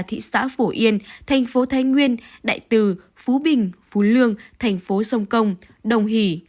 thị xã phổ yên thành phố thái nguyên đại từ phú bình phú lương thành phố sông công đồng hỷ